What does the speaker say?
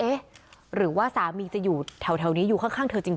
หรือว่าสามีจะอยู่แถวนี้อยู่ข้างเธอจริง